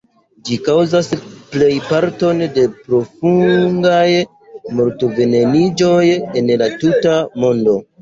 Ĝi kaŭzas plejparton de profungaj mort-veneniĝoj en la tuta mondo.